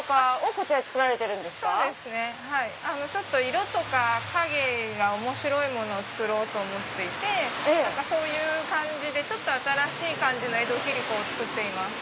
色とか影が面白いものを作ろうと思っていてそういう感じでちょっと新しい江戸切子を作っています。